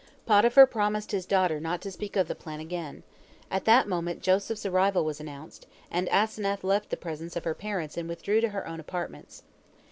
Potiphar promised his daughter not to speak of the plan again. At that moment Joseph's arrival was announced, and Asenath left the presence of her parents and withdrew to her own apartments.